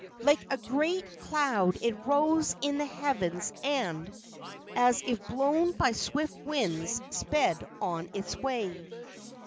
Like a great cloud it rose in the heavens and, as if blown by swift winds, sped on its way.